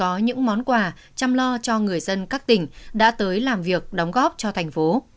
có những món quà chăm lo cho người dân các tỉnh đã tới làm việc đóng góp cho thành phố